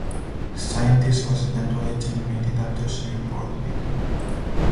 The scientist was eventually terminated after she reported it.